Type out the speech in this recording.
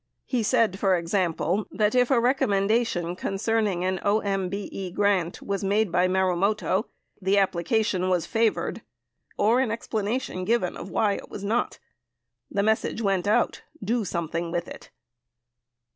He said, for example, that if a recommendation concerning an OMBE grant was made by Marumoto, the application was favored or an explanation given why it was not. The message went out, "Do something with it."